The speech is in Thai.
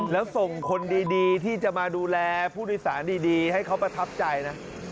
แล้วส่งคนดีที่จะมาดูแลผู้โดยสารดีให้เขาประทับใจนะ